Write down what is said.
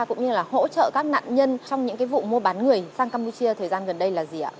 cũng như là hỗ trợ các nạn nhân trong những vụ mua bán người sang campuchia thời gian gần đây là gì ạ